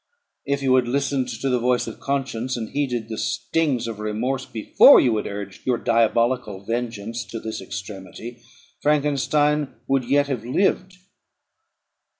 If you had listened to the voice of conscience, and heeded the stings of remorse, before you had urged your diabolical vengeance to this extremity, Frankenstein would yet have lived.